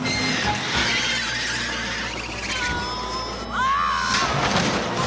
ああ。